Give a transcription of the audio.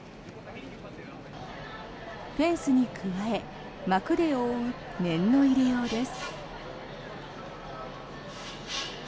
フェンスに加え幕で覆う念の入れようです。